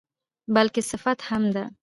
بلکې صفت هم ده.